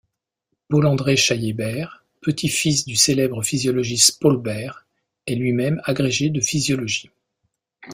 Paul-André Chailley-Bert, petit-fils du célèbre physiologiste Paul Bert, est lui-même agrégé de physiologie.